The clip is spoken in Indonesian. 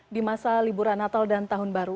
di masa liburan natal dan tahun baru